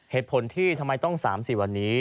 เหตุผลที่ทำไมต้อง๓๔วันนี้